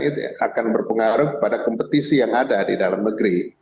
saya berpikir bahwa saya akan berpengaruh kepada kompetisi yang ada di dalam negeri